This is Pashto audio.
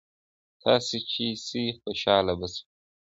تاسي چي سئ خوشحاله به سو.